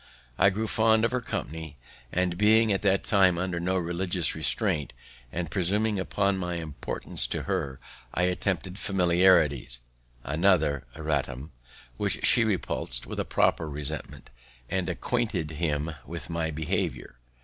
I grew fond of her company, and, being at that time under no religious restraint, and presuming upon my importance to her, I attempted familiarities (another erratum) which she repuls'd with a proper resentment, and acquainted him with my behaviour.